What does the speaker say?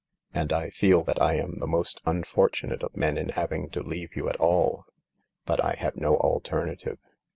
And I feel that I am the most unfortunate of men in having to leave you at all. But I have no alternative.